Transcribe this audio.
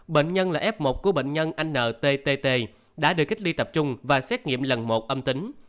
bệnh nhân là f một của bệnh nhân ntt đã được cách ly tập trung và xét nghiệm lần một âm tính